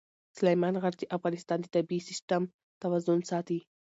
سلیمان غر د افغانستان د طبعي سیسټم توازن ساتي.